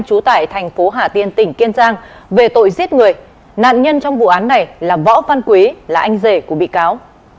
trú tại thành phố hà tiên tỉnh kiên giang về tội giết người nạn nhân trong vụ án này là võ văn quý là anh rể của bị cáo